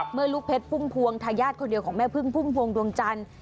เมื่อลูกเพชรพุ่มพวงทายาทคนเดียวของแม่พึ่งพุ่มพวงดวงจันทร์